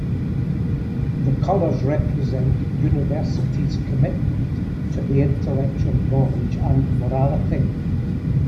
The colors represent University's commitment to the intellectual knowledge and morality.